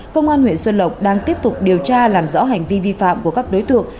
công an huyện xuân lộc đang tiếp tục điều tra làm rõ hành vi vi phạm của các đối tượng